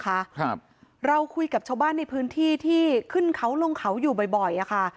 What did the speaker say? ครับเราคุยกับชาวบ้านในพื้นที่ที่ขึ้นเขาลงเขาอยู่บ่อยบ่อยอ่ะค่ะ